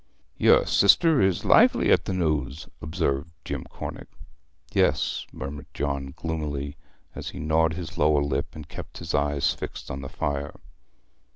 'Your sister is lively at the news,' observed Jim Cornick. 'Yes,' murmured John gloomily, as he gnawed his lower lip and kept his eyes fixed on the fire.